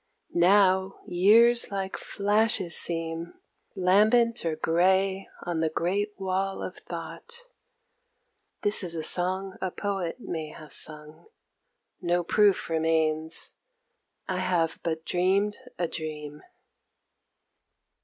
Now years like flashes seem, Lambent or grey on the great wall of Thought This is a song a poet may have sung No proof remains, I have but dreamed a dream.